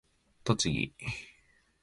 栃木